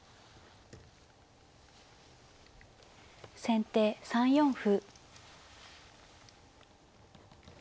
先手３四歩。